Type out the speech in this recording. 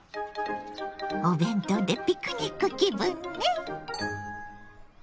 お弁当でピクニック気分ね！